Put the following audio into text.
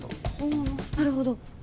あなるほど。